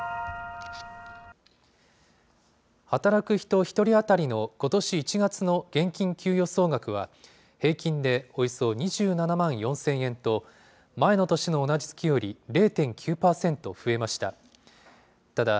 働く人１人当たりのことし１月の現金給与総額は、平均でおよそ２７万４０００円と、前の年の同じ月より０．９％増えました。